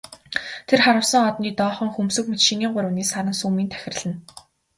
Тэр харвасан одны доохон хөмсөг мэт шинийн гуравны саран сүүмийн тахирлана.